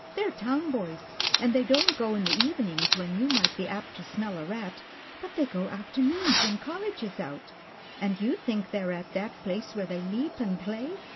They're town boys, and they don't go in the evenings, when you might be apt to smell a rat, but they go after noons when college is out, and you think they are at that place where they leap and play.